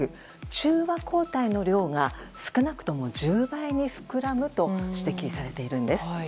中和抗体の量が少なくとも１０倍に膨らむと指摘されているんです。